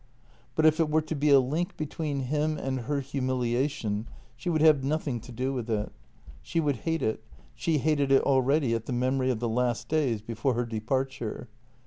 But if it were to be a link JENNY 236 between him and her humiliation she would have nothing to do with it. She would hate it — she hated it already at the mem ory of the last days before her departure.